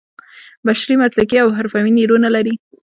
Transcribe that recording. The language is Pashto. بشري مسلکي او حرفوي نیرو نه لري.